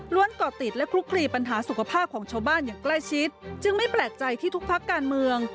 ก่อติดและคลุกคลีปัญหาสุขภาพของชาวบ้านอย่างใกล้ชิดจึงไม่แปลกใจที่ทุกพักการเมือง